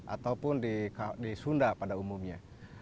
ataupun di sunda pada umumnya